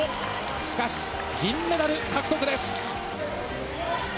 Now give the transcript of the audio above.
しかし、銀メダル獲得です。